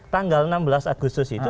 tanggal enam belas agustus itu